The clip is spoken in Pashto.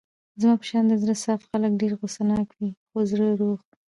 زما په شان د زړه صاف خلګ ډېر غوسه ناکه وي خو زړه روغ.